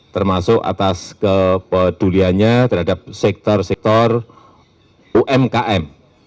termasuk atas kepeduliannya terhadap sektor sektor umkm